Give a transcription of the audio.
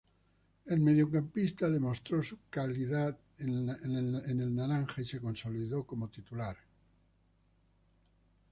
El mediocampista demostró su calidad en el naranja y se consolidó como titular.